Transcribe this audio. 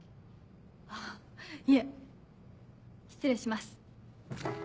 あいえ失礼します。